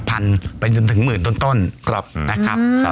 หลักพันลึงจนถึงหมื่นต้นนะครับ